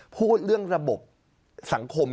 พูดเรื่องระบบสังคม